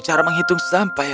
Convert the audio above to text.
cara menghitung sampai lima